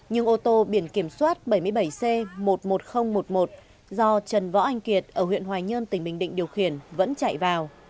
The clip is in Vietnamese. nhưng ô tô biển kiểm soát bảy mươi bảy c một mươi một nghìn một mươi một do trần võ anh kiệt ở huyện hoài nhơn tỉnh bình định điều khiển vẫn chạy vào